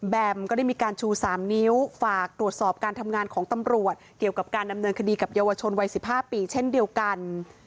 ก็ได้มีการชู๓นิ้วฝากตรวจสอบการทำงานของตำรวจเกี่ยวกับการดำเนินคดีกับเยาวชนวัย๑๕ปีเช่นเดียวกัน